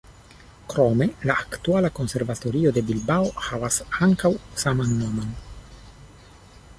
Krome la aktuala konservatorio de Bilbao havas ankaŭ saman nomon.